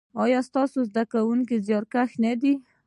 ایا ستاسو زده کونکي زیارکښ نه دي؟